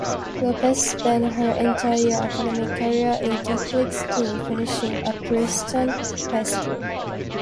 Lopez spent her entire academic career in Catholic schools, finishing at Preston High School.